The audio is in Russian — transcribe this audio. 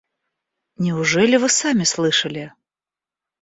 Неужели вы сами слышали?